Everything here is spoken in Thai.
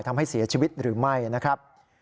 ทำให้เสียชีวิตหรือไม่นะครับ